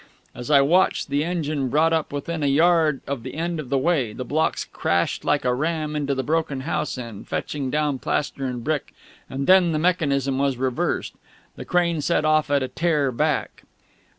As I watched, the engine brought up within a yard of the end of the way, the blocks crashed like a ram into the broken house end, fetching down plaster and brick, and then the mechanism was reversed. The crane set off at a tear back.